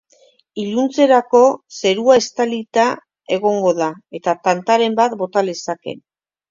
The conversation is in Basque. Iluntzerako, zerua estalita egongo da, eta tantaren bat bota lezake.